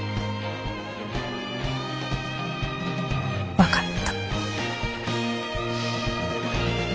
分かった。